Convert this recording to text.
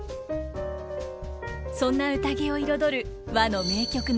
そんな宴を彩る和の名曲の数々。